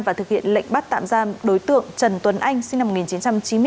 và thực hiện lệnh bắt tạm giam đối tượng trần tuấn anh sinh năm một nghìn chín trăm chín mươi bốn